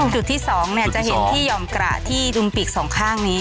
จุดที่๒จะเห็นที่หย่อมกระที่ดุมปีกสองข้างนี้